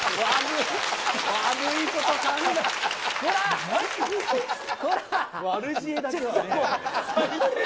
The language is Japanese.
悪いこと考える。